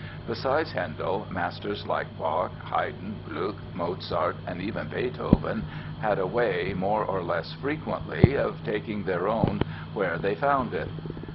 Besides Handel, masters like Bach, Haydn, Gluck, Mozart and even Beethoven, had a way, more or less frequently, of taking their own where they found it.